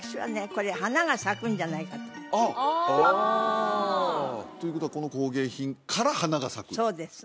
これ花が咲くんじゃないかと思ってああああということはこの工芸品から花が咲くそうです